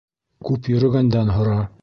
Күп йөрөгәндән һора.